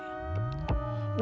dan burns iman ph